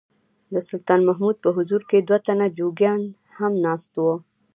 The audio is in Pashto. د سلطان په حضور کې دوه تنه جوګیان هم ناست وو.